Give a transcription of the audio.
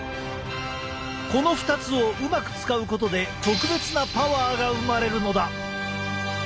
この２つをうまく使うことで特別なパワーが生まれるのだ！